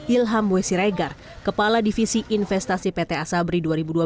ilham wessiregar kepala divisi investasi pt asabri dua ribu dua belas dua ribu tujuh belas